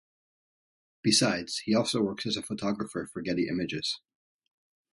Besides, he also works as a photographer for Getty Images.